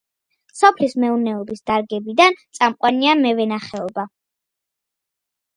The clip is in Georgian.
სოფლის მეურნეობის დარგებიდან წამყვანია მევენახეობა.